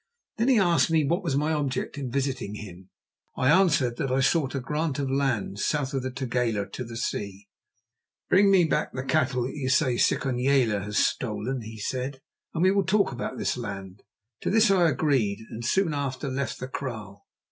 Then he asked me what was my object in visiting him. I answered that I sought a grant of the land south of the Tugela to the sea. "'Bring me back the cattle that you say Sikonyela has stolen,' he said, 'and we will talk about this land.' To this I agreed and soon after left the kraal."